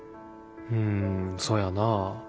うんそやなぁ。